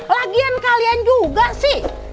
lagian kalian juga sih